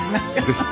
ぜひ。